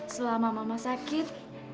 selama mama sakit